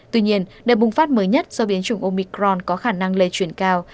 tuy nhiên đợt bùng phát mới nhất do biến chủng omicron có khả năng lây chuyển cao